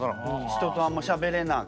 人とあんましゃべれなくて。